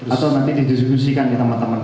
atau nanti didistribusikan ke teman teman